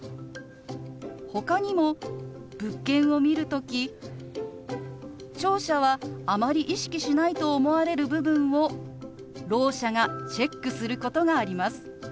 ほかにも物件を見る時聴者はあまり意識しないと思われる部分をろう者がチェックすることがあります。